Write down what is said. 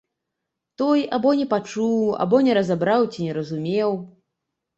Той або не пачуў, або не разабраў ці не разумеў.